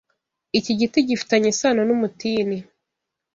iki giti gifitanye isano n'umutini